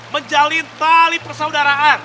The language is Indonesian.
menjalin tali persaudaraan